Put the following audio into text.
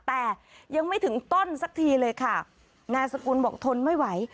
แต่ยังไม่ถึงต้นสักทีเลยค่ะนายสกุลบอกทนไม่ไหว